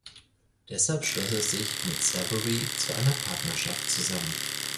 Deshalb schloss er sich mit Savery zu einer Partnerschaft zusammen.